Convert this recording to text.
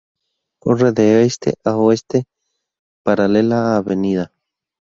Corre de este a oeste paralela a Av.